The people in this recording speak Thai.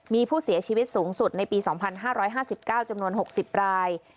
มีผู้เสียชีวิตสูงสุดในปี๒๕๕๙จำนวน๖๐ราย